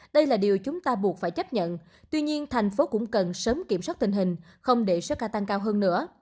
đây là điều chúng ta buộc phải chấp nhận tuy nhiên thành phố cũng cần sớm kiểm soát tình hình không để số ca tăng cao hơn nữa